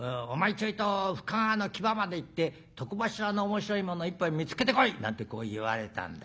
ちょいと深川の木場まで行って床柱の面白いもの１本見つけてこい』なんてこう言われたんだ。